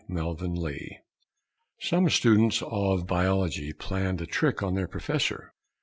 MEETIN' TROUBLE Some students of biology planned a trick on their professor.